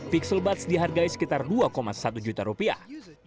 pixel butz dihargai sekitar dua satu juta rupiah